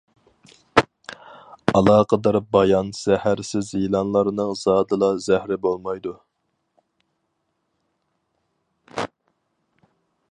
ئالاقىدار بايان زەھەرسىز يىلانلارنىڭ زادىلا زەھىرى بولمايدۇ.